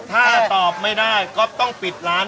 ถ้าตอบไม่ได้ก๊อปต้องปิดร้าน